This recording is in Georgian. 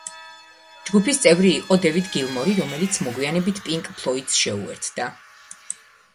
ჯგუფის წევრი იყო დევიდ გილმორი, რომელიც მოგვიანებით პინკ ფლოიდს შეუერთდა.